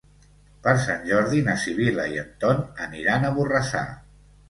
Per Sant Jordi na Sibil·la i en Ton aniran a Borrassà.